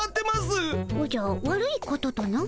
おじゃ悪いこととな？